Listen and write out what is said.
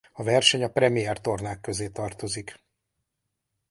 A verseny a Premier tornák közé tartozik.